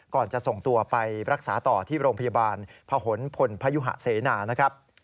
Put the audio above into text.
ก่อนจะส่งตัวไปรักษาต่อที่โรงพยาบาลพหนพลพยุหะเสนานะครับ